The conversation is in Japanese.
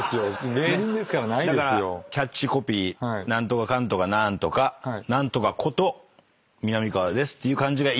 だからキャッチコピー「何とかかんとかなーんとか何とかことみなみかわです」っていう感じがいいんですね？